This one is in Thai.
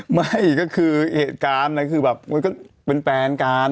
ไม่ก็คือเหตุการณ์คือแบบมันก็เป็นแฟนกัน